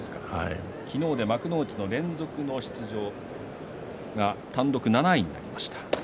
昨日で幕内の連続出場単独７位になりました。